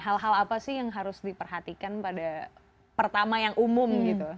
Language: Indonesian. hal hal apa sih yang harus diperhatikan pada pertama yang umum gitu